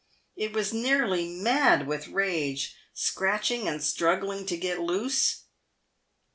It was nearly mad with rage, scratching and struggling to get loose.